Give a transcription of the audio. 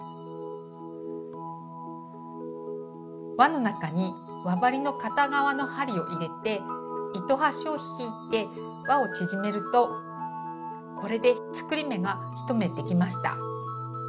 輪の中に輪針の片側の針を入れて糸端を引いて輪を縮めるとこれで作り目が１目できました。